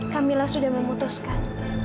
kamila sudah memutuskan